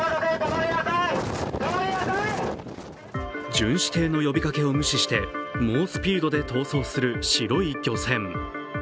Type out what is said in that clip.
巡視艇の呼びかけを無視して猛スピードで逃走する白い漁船。